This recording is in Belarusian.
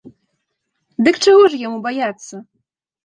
Дык чаго ж яму баяцца?